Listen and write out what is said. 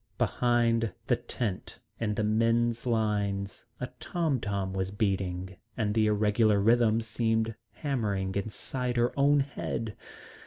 Behind the tent in the men's lines a tom tom was beating, and the irregular rhythm seemed hammering inside her own head.